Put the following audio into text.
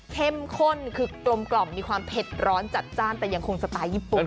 เข้มข้นคือกลมมีความเผ็ดร้อนจัดจ้านแต่ยังคงสไตล์ญี่ปุ่น